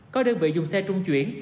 có đơn vị dùng xe trung chuyển